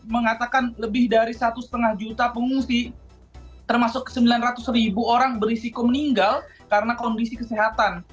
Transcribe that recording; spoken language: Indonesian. mengatakan lebih dari satu lima juta pengungsi termasuk sembilan ratus ribu orang berisiko meninggal karena kondisi kesehatan